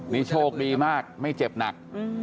นี่โชคดีมากไม่เจ็บหนัก